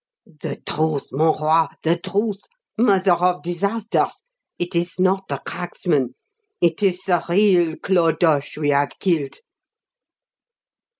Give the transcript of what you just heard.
"The truth, mon roi, the truth! Mother of disasters! It is not the cracksman it is the real Clodoche we have killed!"